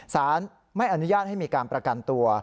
สารไม่อนุญาตให้มีการประกันตัว